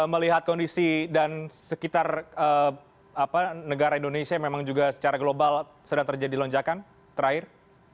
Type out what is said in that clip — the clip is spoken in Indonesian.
melihat kondisi dan sekitar negara indonesia yang memang juga secara global sedang terjadi lonjakan terakhir